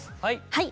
はい。